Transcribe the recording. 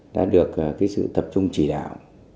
đã được sự tập trung chỉ đạo